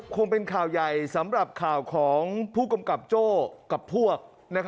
คงเป็นข่าวใหญ่สำหรับข่าวของผู้กำกับโจ้กับพวก